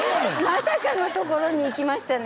まさかのところにいきましたね